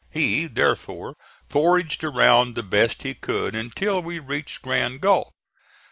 He, therefore, foraged around the best he could until we reached Grand Gulf.